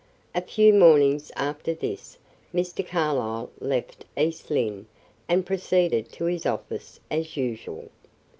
A few mornings after this Mr. Carlyle left East Lynne and proceeded to his office as usual.